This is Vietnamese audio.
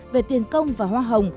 về tiền công và hoa hồng